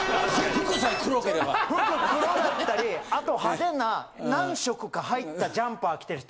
服黒だったりあと派手な何色か入ったジャンパー着てる人。